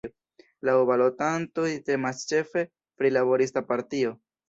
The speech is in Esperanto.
Laŭ balotantoj temas ĉefe pri laborista partio.